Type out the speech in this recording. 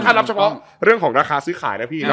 ถ้ารับเฉพาะเรื่องของราคาซื้อขายนะพี่เน